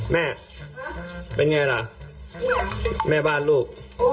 แม่เป็นไงล่ะแม่บ้านลูก